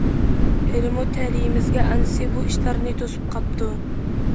ھېلىمۇ تەلىيىمىزگە ئانىسى بۇ ئىشلارنى توسۇپ قاپتۇ.